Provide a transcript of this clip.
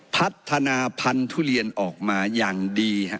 พัฒนาพันธุ์ทุเรียนออกมาอย่างดี